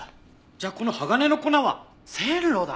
じゃあこの鋼の粉は線路だ！